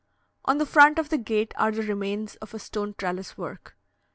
On the front of the gate are the remains of a stone trellis work.